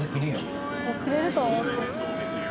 もうくれると思ってる。